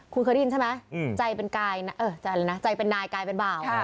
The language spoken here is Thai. คุณเคยได้ยินใช่ไหมใจเป็นนายใจเป็นบ่าว